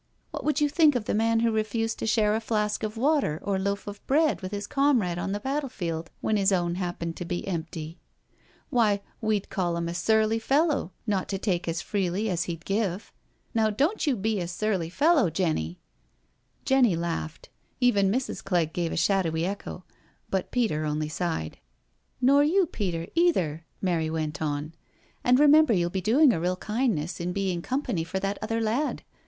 What would you think of the man who refused to share a flask of water or loaf of bread with his comrade on the battle field when his own happened to be empty? Why, we'd call him a surly fellow not to take as freely as he'd give. Now don't you be a surly fellow, Jenny I " Jenny laughed, even Mrs. Clegg gave a shadowy echo^ but Peter only sighed. 56 NO SURRENDER •* Nor you, Peter, either," Mary went on; "and remember you'll be doing a real kindness in being com pany for that other lad.